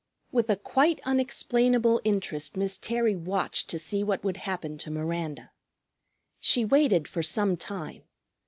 With a quite unexplainable interest Miss Terry watched to see what would happen to Miranda. She waited for some time.